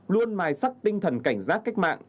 luôn mài sắc tinh thần cảnh giác cách mạng